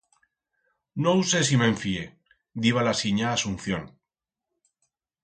No hu sé si me'n fíe, diba la sinya Asunción.